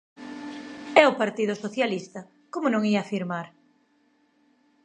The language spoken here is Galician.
E o Partido Socialista, ¡como non ía firmar!